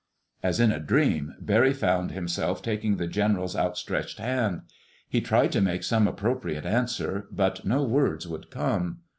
As in a dream, Barry found himself taking the general's outstretched hand. He tried to make some appropriate answer, but no words would come.